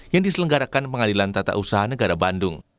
yang diselenggarakan pengadilan tata usaha negara bandung